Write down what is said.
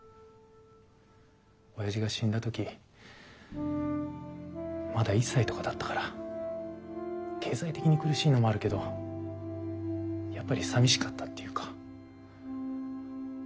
おやじが死んだ時まだ１歳とかだったから経済的に苦しいのもあるけどやっぱりさみしかったっていうか。